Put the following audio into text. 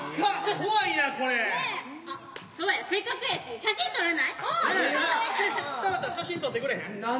多和田写真撮ってくれへん？